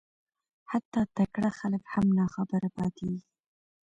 حتی تکړه خلک هم ناخبره پاتېږي